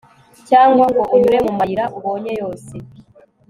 cyangwa ngo unyure mu mayira ubonye yose